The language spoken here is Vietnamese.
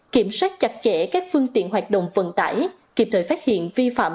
kiểm soát chặt chẽ các phương tiện hoạt động vận tải kịp thời phát hiện vi phạm